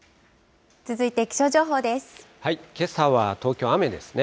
けさは東京、雨ですね。